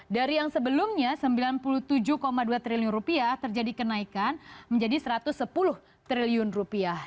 dari yang sebelumnya sembilan puluh tujuh dua triliun rupiah terjadi kenaikan menjadi satu ratus sepuluh triliun rupiah